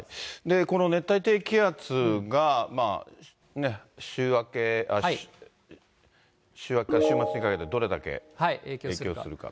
この熱帯低気圧が、週明けから週末にかけてどれだけ影響するか。